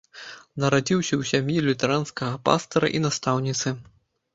Нарадзіўся ў сям'і лютэранскага пастара і настаўніцы.